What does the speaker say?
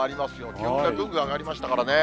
気温がぐんぐん上がりましたからね。